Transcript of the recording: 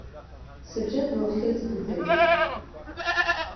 Сыбжьы налхьызгӡеит.